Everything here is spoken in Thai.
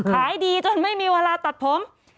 ขายดีจนไม่มีเวลาตัดผม